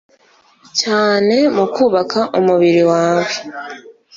cyane mu kubaka umubiri wawe